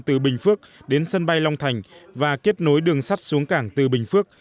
từ bình phước đến sân bay long thành và kết nối đường sắt xuống cảng từ bình phước